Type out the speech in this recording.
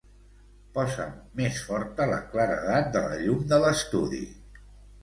Posa'm més forta la claredat de la llum de l'estudi.